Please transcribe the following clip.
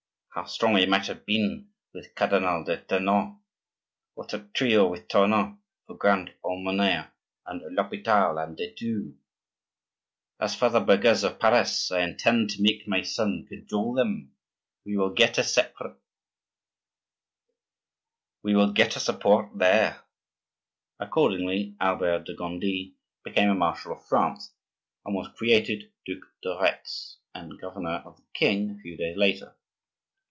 How strong we might have been with Cardinal de Tournon! What a trio with Tournon for grand almoner, and l'Hopital, and de Thou! As for the burghers of Paris, I intend to make my son cajole them; we will get a support there." Accordingly, Albert de Gondi became a marshal of France and was created Duc de Retz and governor of the king a few days later.